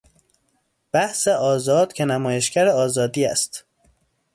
بحث آزاد که نمایشگر آزادی است...